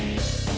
eh mbak be